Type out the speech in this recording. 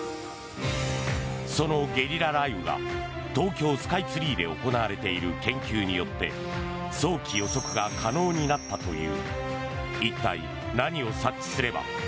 そのゲリラ雷雨が東京スカイツリーで行われている研究によって早期予測が可能になったという。